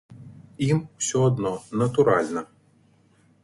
Ім усё адно, натуральна!